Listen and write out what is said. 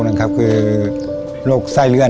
จำตัวของผมก็มีโรคไส้เลื่อน